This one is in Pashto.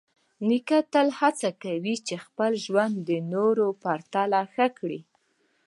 نیکه تل هڅه کوي چې خپل ژوند د نورو په پرتله ښه کړي.